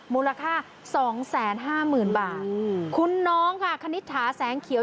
มูลค่าสองแสนห้าหมื่นบาทคุณน้องค่ะคณิตถาแสงเขียว